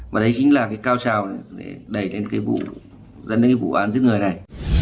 và đấy chính là cái cao trào để đẩy lên cái vụ dẫn đến cái vụ án giết người này